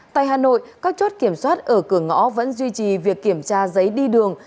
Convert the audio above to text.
tại hà nội các chốt kiểm soát ở cửa ngõ vẫn duy trì việc kiểm tra giấy đi đường